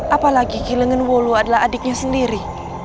apalagi gilengen wolu adalah adiknya sendiri